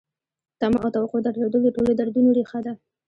تمه او توقع درلودل د ټولو دردونو ریښه ده.